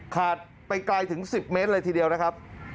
ไปไกลถึง๑๐เมตรเลยทีเดียวนะครับ